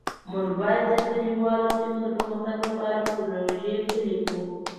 موږ باید د کلیوالو سیمو د پرمختګ لپاره پروژې پلي کړو